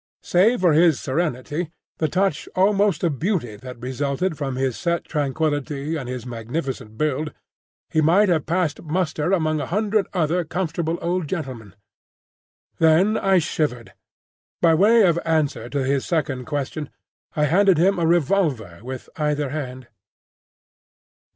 Save for his serenity, the touch almost of beauty that resulted from his set tranquillity and his magnificent build, he might have passed muster among a hundred other comfortable old gentlemen. Then I shivered. By way of answer to his second question, I handed him a revolver with either hand.